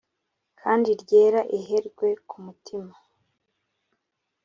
Kandi ryera ihirwe ku mitima.